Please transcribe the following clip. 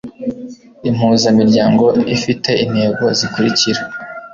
Impuzamiryango ifite intego zikurikira